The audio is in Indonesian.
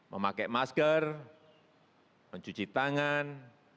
memakai masker mencuci tangan